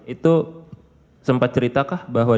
itu sempat cerita kak bahwa